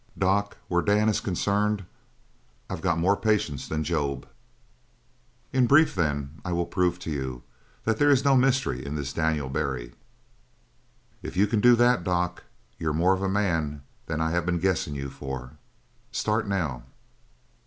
"Doc, where Dan is concerned I got more patience than Job." "In brief, then, I will prove to you that there is no mystery in this Daniel Barry." "If you can do that, doc, you're more of a man than I been guessing you for. Start now!"